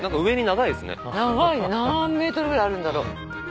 長い何メートルぐらいあるんだろう？